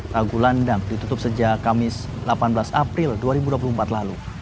ragu landam ditutup sejak kamis delapan belas april dua ribu dua puluh empat lalu